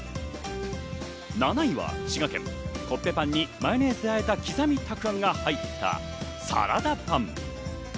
７位は滋賀県、コッペパンにマヨネーズで和えた刻みたくあんが入ったサラダパン。